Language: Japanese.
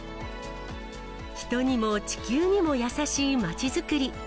人にも地球にも優しい街づくり。